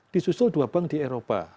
disusul dua bank di eropa